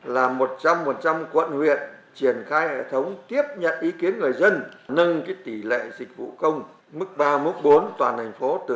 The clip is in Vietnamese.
là một trăm linh quận huyện triển khai hệ thống tiếp nhận ý kiến người dân nâng tỷ lệ dịch vụ công mức ba bốn toàn thành phố từ hai mươi một